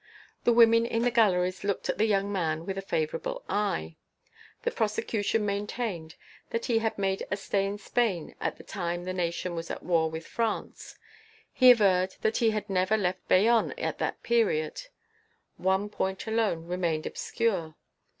The women in the galleries looked at the young man with a favourable eye. The prosecution maintained that he had made a stay in Spain at the time that Nation was at war with France; he averred he had never left Bayonne at that period. One point alone remained obscure.